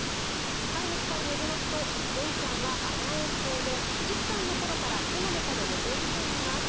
飼い主さんによりますと善ちゃんは甘えん坊で１歳の頃から手の中で寝ているといいます。